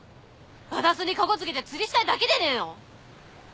私にかこつけて釣りしたいだけでねえの？